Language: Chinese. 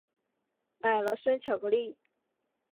买了生巧克力